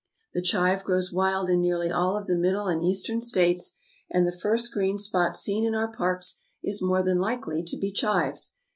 The chive grows wild in nearly all of the Middle and Eastern States, and the first green spot seen in our parks is more than likely to be chives.